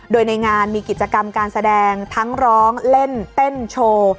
โดยในงานมีกิจกรรมการแสดงทั้งร้องเล่นเต้นโชว์